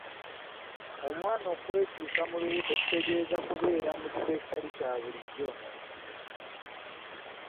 Omwana okwekiika mu lubuto kitegeeza kubeera mu kifo ekitali kya bulijjo.